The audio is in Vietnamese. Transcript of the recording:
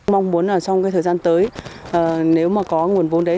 mong muốn là sau thời gian tới nếu mà có nguồn vốn đấy